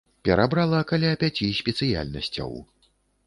Перабрала каля пяці спецыяльнасцяў.